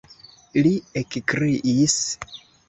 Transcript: li ekkriis.